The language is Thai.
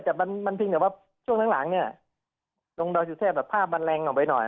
แต่มันมันเพียงแต่ว่าช่วงข้างหลังเนี่ยตรงแบบภาพมันแรงออกไปหน่อย